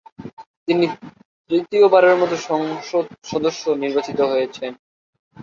তিনি তৃতীয়বারের মতো সংসদ সদস্য নির্বাচিত হয়েছেন।